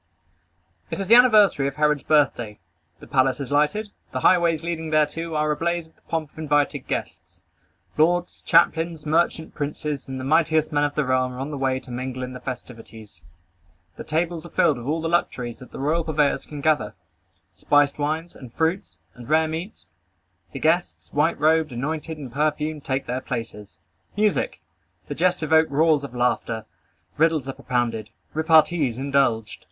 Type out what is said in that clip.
It is the anniversary of Herod's birthday. The palace is lighted. The highways leading thereto are ablaze with the pomp of invited guests. Lords, captains, merchant princes, and the mightiest men of the realm are on the way to mingle in the festivities. The tables are filled with all the luxuries that the royal purveyors can gather, spiced wines, and fruits, and rare meats. The guests, white robed, anointed and perfumed, take their places. Music! The jests evoke roars of laughter. Riddles are propounded. Repartees indulged.